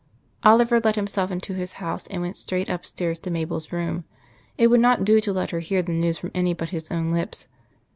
II Oliver let himself into his house, and went straight upstairs to Mabel's room. It would not do to let her hear the news from any but his own lips.